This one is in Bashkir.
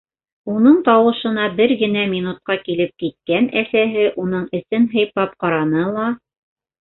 Уның тауышына бер генә минутҡа килеп киткән әсәһе уның эсен һыйпап ҡараны ла: